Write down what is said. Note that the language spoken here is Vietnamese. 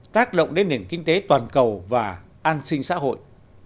tác động đến nền kinh tế toàn cầu và an sinh xã hội